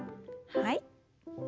はい。